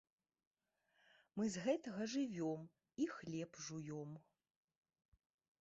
Мы з гэтага жывём і хлеб жуём.